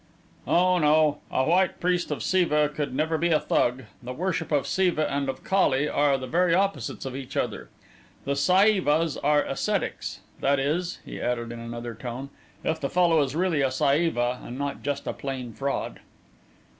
"Oh, no; a White Priest of Siva could never be a Thug. The worship of Siva and of Kali are the very opposites of each other. The Saivas are ascetics. That is," he added, in another tone, "if the fellow is really a Saiva and not just a plain fraud."